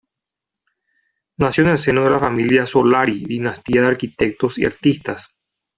Nació en el seno de la familia Solari, dinastía de arquitectos y artistas.